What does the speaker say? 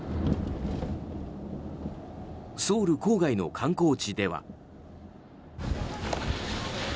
ソウル郊外の観光地では。